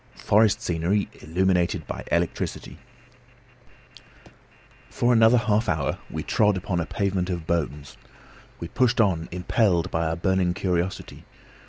FOREST SCENERY ILLUMINATED BY ELECTRICITY For another half hour we trod upon a pavement of bones. We pushed on, impelled by our burning curiosity.